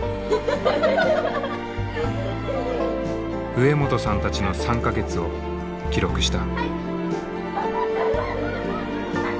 植本さんたちの３か月を記録した。